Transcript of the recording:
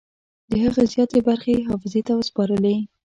د هغه زیاتې برخې یې حافظې ته وسپارلې.